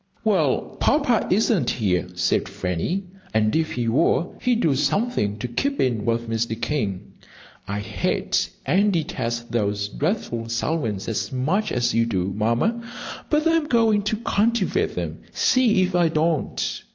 "Well, Papa isn't here," said Fanny, "and if he were, he'd do something to keep in with Mr. King. I hate and detest those dreadful Selwyns as much as you do, Mamma, but I'm going to cultivate them. See if I don't!"